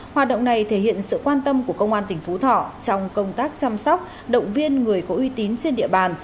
hoạt động này thể hiện sự quan tâm của công an tỉnh phú thọ trong công tác chăm sóc động viên người có uy tín trên địa bàn